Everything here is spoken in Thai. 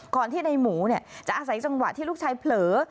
ที่ในหมูจะอาศัยจังหวะที่ลูกชายเผลอ